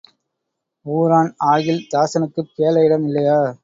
ஊரான் ஆகில் தாசனுக்குப் பேள இடம் இல்லையா?